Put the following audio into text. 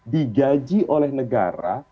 digaji oleh negara